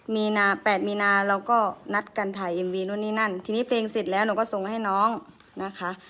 มีนาแปดมีนาแล้วก็นัดการถ่ายอิมวีนู่นนี่นั่นทีนี้เพลงสิทธิ์แล้วหนูก็ส่งให้น้องนะคะ